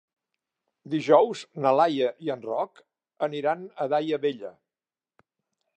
Dijous na Laia i en Roc aniran a Daia Vella.